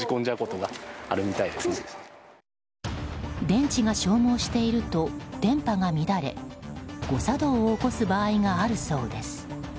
電池が消耗していると電波が乱れ誤作動を起こす場合があるそうです。